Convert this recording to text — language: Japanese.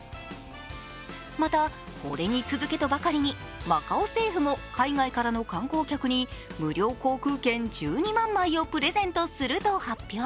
また、これに続けとばかりにマカオ政府も海外からの観光客に無料航空券１２万枚をプレゼントすると発表。